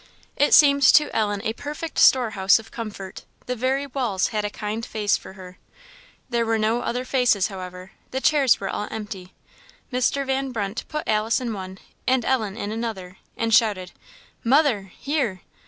It seemed to Ellen a perfect storehouse of comfort; the very walls had a kind face for her. There were no other faces, however; the chairs were all empty. Mr. Van Brunt put Alice in one and Ellen in another, and shouted, "Mother! here!"